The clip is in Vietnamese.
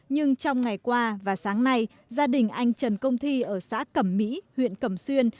nhưng trong ngày qua và sáng nay gia đình anh trần công thi ở xã cẩm mỹ huyện cẩm xuyên